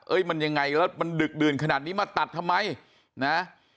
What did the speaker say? มันยังไงแล้วมันดึกดื่นขนาดนี้มาตัดทำไมนะ